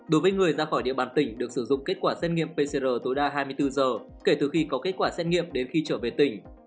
đối với người ra khỏi địa bàn tỉnh được sử dụng kết quả xét nghiệm pcr tối đa hai mươi bốn giờ kể từ khi có kết quả xét nghiệm đến khi trở về tỉnh